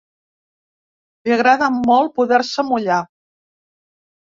Li agrada molt poder-se mullar.